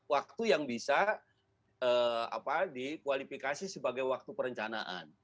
waktu yang bisa dikualifikasi sebagai waktu perencanaan